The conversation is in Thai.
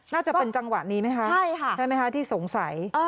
น่าจะเป็นจังหวะนี้นะคะที่สงสัย